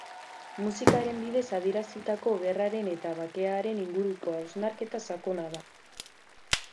Musikaren bidez adierazitako gerraren eta bakearen inguruko hausnarketa sakona da.